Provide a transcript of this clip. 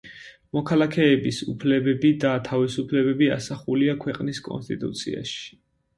მოქალაქეების უფლებები და თავისუფლებები ასახულია ქვეყნის კონსტიტუციაში.